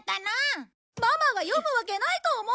ママが読むわけないと思ったんだもん！